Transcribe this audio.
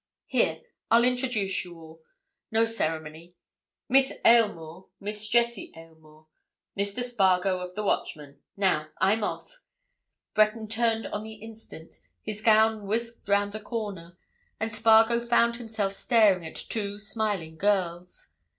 Here—I'll introduce you all—no ceremony. Miss Aylmore—Miss Jessie Aylmore. Mr. Spargo—of the Watchman. Now, I'm off!" Breton turned on the instant; his gown whisked round a corner, and Spargo found himself staring at two smiling girls.